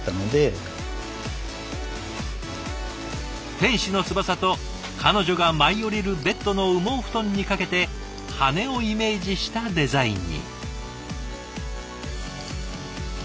天使の翼と彼女が舞い降りるベッドの羽毛布団にかけて羽根をイメージしたデザインに。